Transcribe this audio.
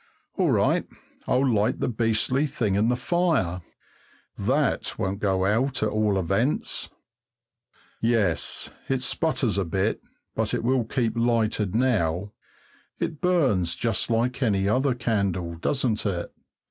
All right, I'll light the beastly thing in the fire. That won't go out, at all events. Yes, it sputters a bit, but it will keep lighted now. It burns just like any other candle, doesn't it?